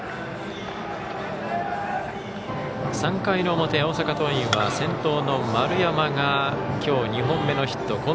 ３回の表、大阪桐蔭は先頭の丸山がきょう２本目のヒット。